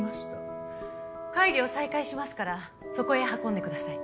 会議を再開しますからそこへ運んでください。